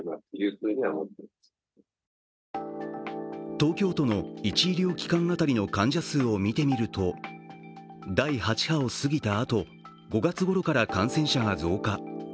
東京都の１医療機関当たりの患者数を見てみると第８波を過ぎたあと、５月ごろから感染者が増加。